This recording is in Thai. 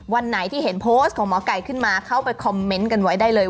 วันไหนที่เห็นโพสต์ของหมอไก่ขึ้นมาเข้าไปคอมเมนต์กันไว้ได้เลย